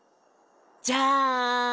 じゃん！